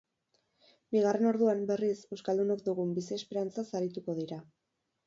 Bigarren orduan, berriz, euskaldunok dugun bizi esperantzaz arituko dira.